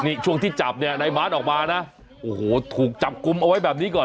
นี่ช่วงที่จับเนี่ยในบาสออกมานะโอ้โหถูกจับกุมเอาไว้แบบนี้ก่อน